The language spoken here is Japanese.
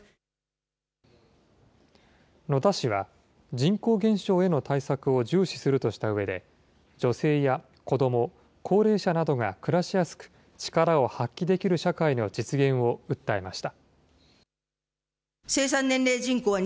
人口減少への対策を重視するとしたうえで、女性や子ども、高齢者などが暮らしやすく、力を発揮できる社会の実現を訴えました。